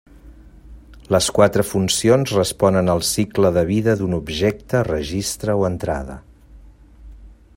Les quatre funcions responen al cicle de vida d'un objecte, registre o entrada.